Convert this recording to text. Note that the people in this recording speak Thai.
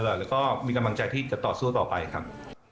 ที่ทานอาหารอร่อยก็มีกำลังใจที่จะต่อสู้ต่อไปครับ